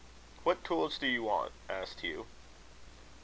"What tools do you want?" asked Hugh.